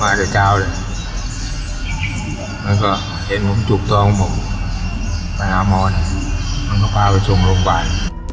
แล้วก็เห็นผมจุกเท้าของผมไปน้ำมอนมันก็พาไปส่งโรงพยาบาล